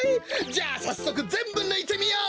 じゃさっそくぜんぶぬいてみよう。